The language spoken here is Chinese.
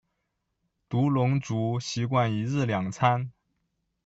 独龙族习惯一日两餐。